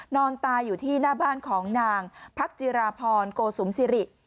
นอนตายอยู่ที่หน้าบ้านของนางพักจิราพรโกสุมสิริ